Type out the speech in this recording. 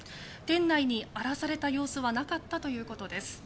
店内に荒らされた様子はなかったということです。